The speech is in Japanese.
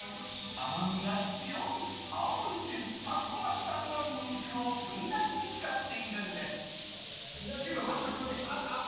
甘みが強い青森県田子町産のニンニクをふんだんに使ってるんです。